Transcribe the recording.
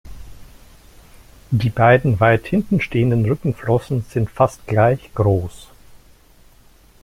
Die beiden, weit hinten stehenden Rückenflossen sind fast gleich groß.